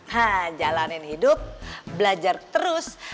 hah jalanin hidup belajar terus